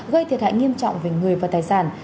gây thiệt hại nghiêm trọng về người và tài sản